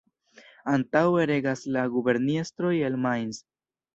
Antaŭe regas la guberniestroj el Mainz.